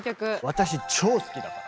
私超好きだから。